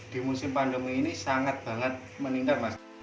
di musim pandemi ini sangat banget meningkat mas